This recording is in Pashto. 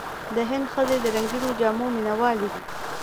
د هند ښځې د رنګینو جامو مینهوالې دي.